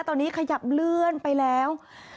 ตอนนี้ขยับเลื่อนไปแล้ว